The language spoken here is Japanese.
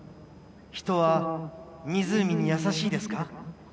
人は湖にやさしいですか。